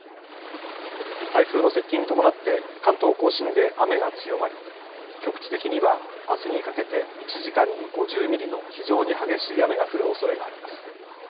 台風の接近に伴って関東甲信で雨が強まり局地的にはあすにかけて１時間に５０ミリの非常に激しい雨が降るおそれがあります。